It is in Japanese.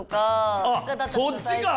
あっそっちか！